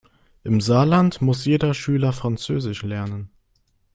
Im Saarland muss jeder Schüler französisch lernen.